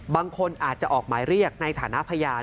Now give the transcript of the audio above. บางคนอาจจะออกหมายเรียกในฐานะพยาน